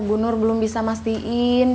bunur belum bisa mastiin